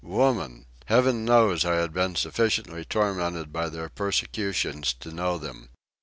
Woman! Heaven knows I had been sufficiently tormented by their persecutions to know them.